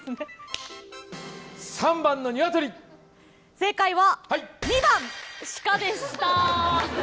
正解は２番シカでした。